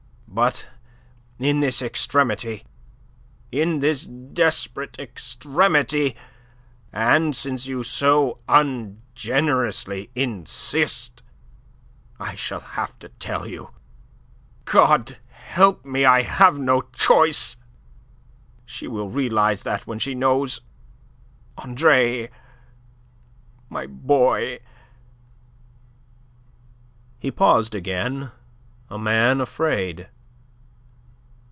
"But in this extremity, in this desperate extremity, and since you so ungenerously insist, I shall have to tell you. God help me, I have no choice. She will realize that when she knows. Andre, my boy..." He paused again, a man afraid.